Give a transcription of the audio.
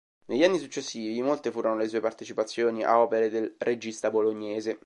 Negli anni successivi molte furono le sue partecipazioni a opere del regista bolognese.